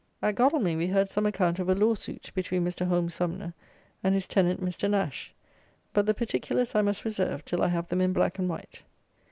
At Godalming we heard some account of a lawsuit between Mr. Holme Sumner and his tenant, Mr. Nash; but the particulars I must reserve till I have them in black and white.